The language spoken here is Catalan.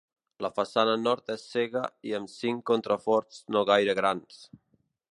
La façana nord és cega i amb cinc contraforts no gaire grans.